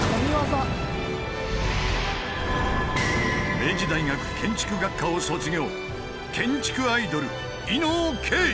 明治大学建築学科を卒業。